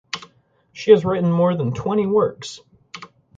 She has written more than twenty works.